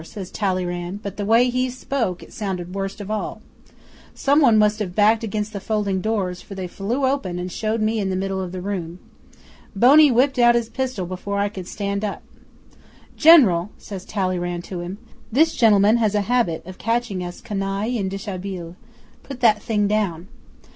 says Talleyrand, but, the way he spoke, it sounded worst of all. Some one must have backed against the folding doors, for they flew open and showed me in the middle of the room. Boney whipped out his pistol before I could stand up. "General," says Talleyrand to him, "this gentleman has a habit of catching us canaille en deshabille. Put that thing down."